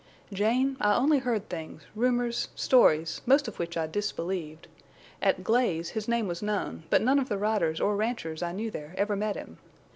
"Jane, I only heard things, rumors, stories, most of which I disbelieved. At Glaze his name was known, but none of the riders or ranchers I knew there ever met him.